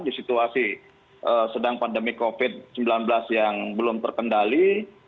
di situasi sedang pandemi covid sembilan belas yang belum terkendali